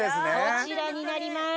こちらになります。